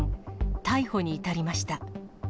逮捕に至りました。